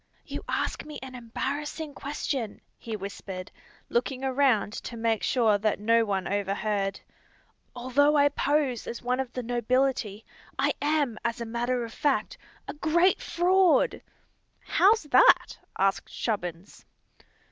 "You ask me an embarrassing question," he whispered, looking around to make sure that no one overheard. "Although I pose as one of the nobility, I am, as a matter of fact, a great fraud!" "How's that?" asked Chubbins.